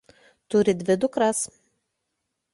Turi dvi dukras.